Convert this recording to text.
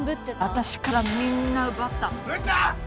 私からみんな奪った詩！